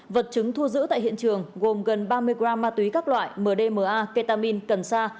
vật chứng thu giữ tại hiện trường gồm gần ba mươi gram ma túy các loại mdma ketamin cần sa